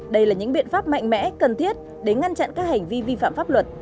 đây là những biện pháp mạnh mẽ cần thiết để ngăn chặn các hành vi vi phạm pháp luật